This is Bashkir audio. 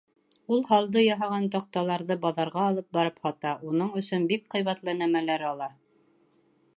Ул һалды яһаған таҡталарҙы баҙарға алып барып һата, уның өсөн бик ҡыйбатлы нәмәләр ала.